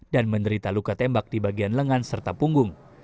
dan menderita luka tembak di bagian lengan serta punggung